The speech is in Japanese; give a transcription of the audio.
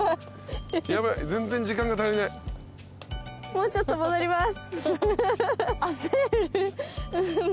もうちょっと戻ります。